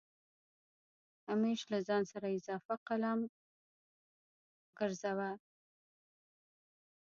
همېش له ځان سره اضافه قلم ګرځوه